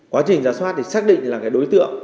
quá trình giả soát thì xác định là cái đối tượng